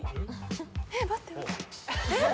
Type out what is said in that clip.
え待ってえっ？